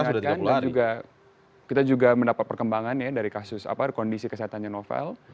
sudah diingatkan dan juga kita juga mendapat perkembangannya dari kasus apa kondisi kesehatannya novel